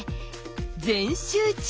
全集中！